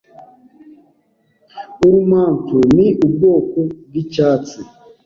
urumamfu ni ubwoko bwicyatsi